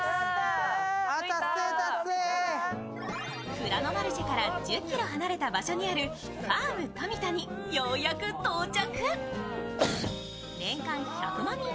フラノマルシェから１０ｋｍ離れた場所にあるファーム富田に、ようやく到着。